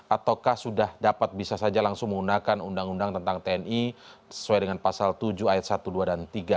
ataukah sudah dapat bisa saja langsung menggunakan undang undang tentang tni sesuai dengan pasal tujuh ayat satu dua dan tiga